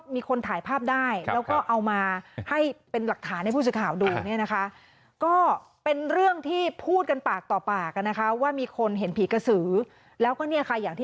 มีคนพยายามจะให้รู้ว่าหน้าตาของกระสือมันเป็นยังไง